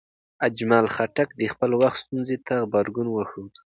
اجمل خټک د خپل وخت ستونزو ته غبرګون وښود.